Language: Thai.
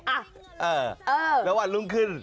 แล้ววันรุ่งขึ้น